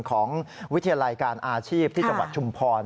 ของวิทยาลัยการอาชีพที่จังหวัดชุมพร